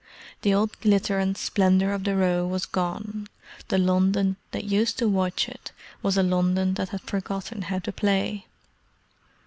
The old glitter and splendour of the Row was gone: the London that used to watch it was a London that had forgotten how to play.